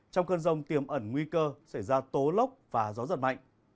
trong cơn rông tiềm ẩn nguy cơ xảy ra tố lốc và gió giật mạnh